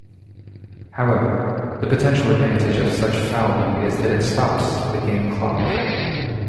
However, the potential advantage of such fouling is that it stops the game clock.